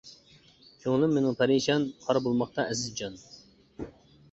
كۆڭلۈم مېنىڭ پەرىشان، خار بولماقتا ئەزىز جان.